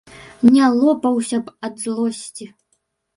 Не лопаўся б ад злосці.